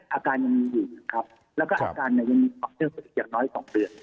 อาการยังมีอยู่แล้วก็อาการยังมีความเชื่อมเกี่ยวน้อย๒เดือน